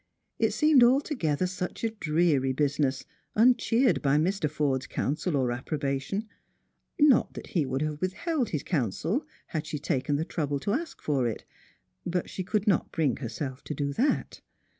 It seemed altogether such a dreary business, unchcered hj ]\Ir. Forde's counsel or approbation ; not that he would have withheld his counsel, had she taken the trouble to ask for it ; but she could not bring herself to do that.